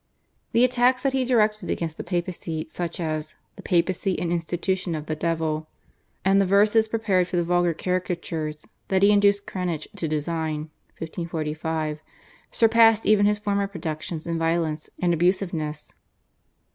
The attacks that he directed against the Papacy such as /The Papacy an Institution of the Devil/, and the verses prepared for the vulgar caricatures that he induced Cranach to design (1545) surpassed even his former productions in violence and abusiveness.